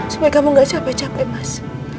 supaya kamu gak capek capek mas